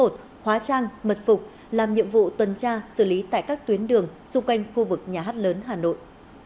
y năm một trăm bốn mươi một hóa trang mật phục làm nhiệm vụ tuần tra xử lý tại các tuyến đường xung quanh khu vực nhà hát lớn hà nội